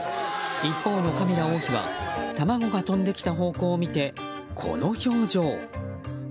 一方のカミラ王妃は卵が飛んできた方向を見てこの表情。